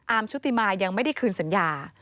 อาร์มชุติมาร์ยังไม่ได้คืนสัญญา